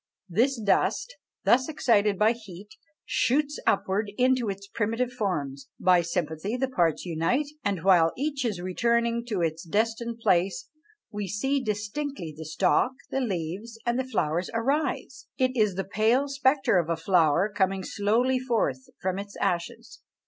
This dust, thus excited by heat, shoots upwards into its primitive forms; by sympathy the parts unite, and while each is returning to its destined place, we see distinctly the stalk, the leaves, and the flower arise; it is the pale spectre of a flower coming slowly forth from its ashes.